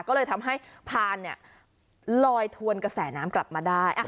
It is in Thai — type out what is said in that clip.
ก็เลยทำให้พานลอยทวนกระแสน้ำกลับมาได้